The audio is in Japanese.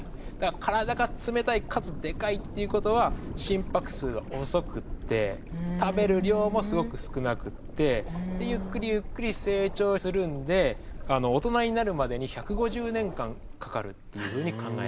体が冷たいかつでかいっていうことは心拍数が遅くって食べる量もすごく少なくってゆっくりゆっくり成長するんで大人になるまでに１５０年間かかるっていうふうに考えられます。